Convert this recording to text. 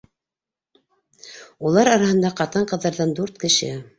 Улар араһында ҡатын-ҡыҙҙарҙан дүрт кеше.